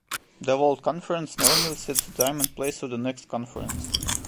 The world conference normally sets the time and place for the next conference.